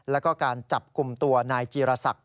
แล้วก็การจับกลุ่มตัวนายจีรศักดิ